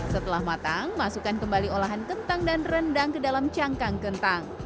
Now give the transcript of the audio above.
setelah matang masukkan kembali olahan kentang dan rendang ke dalam cangkang kentang